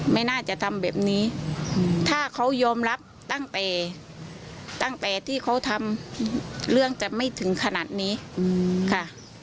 ไม่น่าจะทำแบบนี้ถ้าเขายอมรับตั้งแต่ตั้งแต่ที่เขาทำเรื่องจะไม่ถึงขนาดนี้ค่ะ